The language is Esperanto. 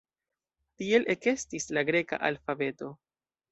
Tiel ekestis la greka alfabeto.